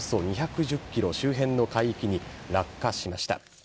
およそ２１０ｋｍ周辺の海域に落下しました。